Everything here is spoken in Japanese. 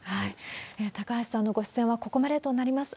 高橋さんのご出演はここまでとなります。